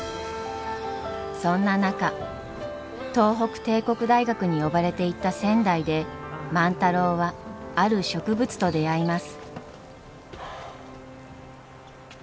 そんな中東北帝国大学に呼ばれて行った仙台で万太郎はある植物と出会います。